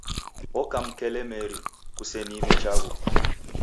Oka mkelemeri Kuseniime chaghu